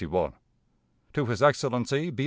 "To his Excellency B.